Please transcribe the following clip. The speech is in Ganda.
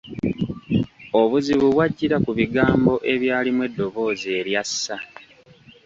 Obuzibu bw’ajjira ku bigambo ebyalimu eddoboozi erya ssa.